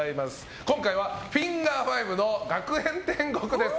今回はフィンガー５の「学園天国」です。